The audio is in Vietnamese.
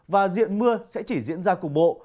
và diện mưa sẽ chỉ diễn ra cục bộ